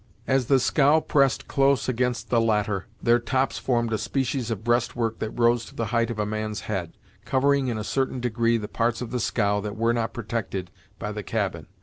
As the scow pressed close against the latter, their tops formed a species of breast work that rose to the height of a man's head, covering in a certain degree the parts of the scow that were not protected by the cabin.